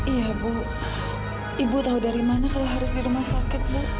iya bu ibu tahu dari mana kalau harus di rumah sakit bu